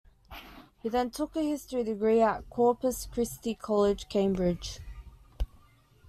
He then took a history degree at Corpus Christi College, Cambridge.